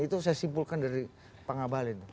itu saya simpulkan dari bang abalin